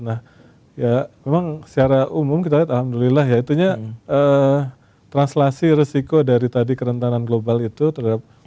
nah ya memang secara umum kita lihat alhamdulillah ya itunya translasi risiko dari tadi kerentanan global itu terhadap